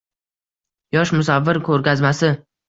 Yosh musavvir ko‘rgazmasi